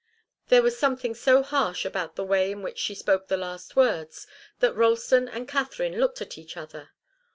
There was something so harsh about the way in which she spoke the last words that Ralston and Katharine looked at each other.